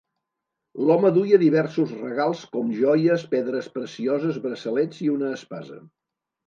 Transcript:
L'home duia diversos regals com joies, pedres precioses, braçalets i una espasa.